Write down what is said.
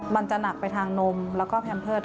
มันจะหนักไปทางนมแล้วก็แพมเพิร์ต